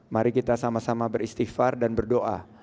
mari kita sama sama beristighfar dan berdoa